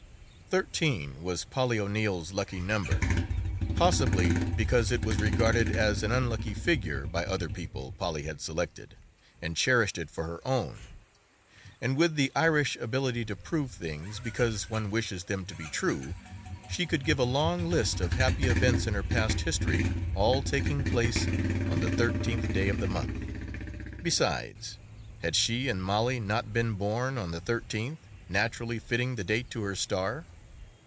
Thirteen was Polly O'Neill's lucky number. Possibly because it was regarded as an unlucky figure by other people Polly had selected and cherished it for her own, and with the Irish ability to prove things, because one wishes them to be true, she could give a long list of happy events in her past history all taking place on the thirteenth day of the mouth. Besides, had she and Molly not been born on the thirteenth, naturally fitting the date to her star?